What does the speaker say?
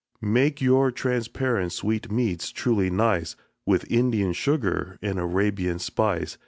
Make your transparent sweetmeats truly nice With Indian sugar and Arabian spice.